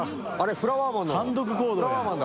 フラワーマンだ。